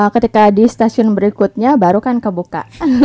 ketika di stasiun berikutnya baru kan kebuka